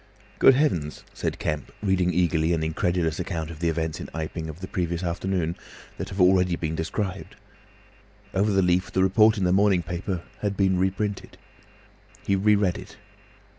"Good Heavens!" said Kemp, reading eagerly an incredulous account of the events in Iping, of the previous afternoon, that have already been described. Over the leaf the report in the morning paper had been reprinted. He re read it.